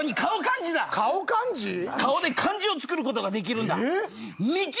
顔で漢字を作ることができるんだ。